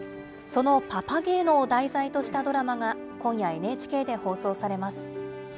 そのパパゲーノを題材としたドラマが今夜、ＮＨＫで放送されます。